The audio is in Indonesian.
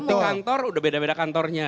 di kantor udah beda beda kantornya